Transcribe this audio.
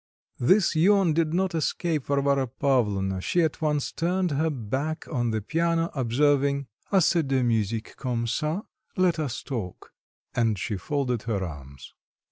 This yawn did not escape Varvara Pavlovna; she at once turned her back on the piano, observing, "Assez de musique comme ça; let us talk," and she folded her arms.